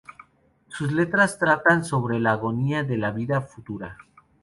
Sus letras tratan sobre la agonía de la vida futura.